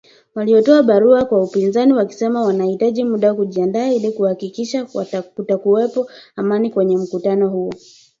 Walitoa barua kwa upinzani wakisema wanahitaji muda kujiandaa ili kuhakikisha kutakuwepo amani kwenye mkutano huo